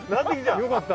よかった。